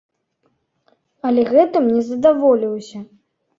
Але гэтым не задаволіўся.